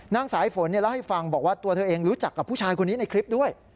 สายฝนเล่าให้ฟังบอกว่าตัวเธอเองรู้จักกับผู้ชายคนนี้ในคลิปด้วย